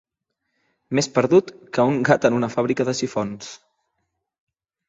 Més perdut que un gat en una fàbrica de sifons.